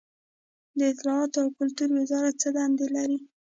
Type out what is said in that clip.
د اطلاعاتو او کلتور وزارت څه دنده لري؟